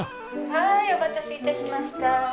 はーいお待たせ致しました。